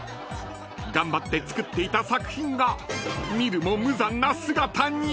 ［頑張って作っていた作品が見るも無残な姿に］